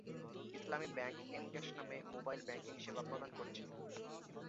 ইসলামি bank M cash নামে mobile banking সেবা প্রদান করছে।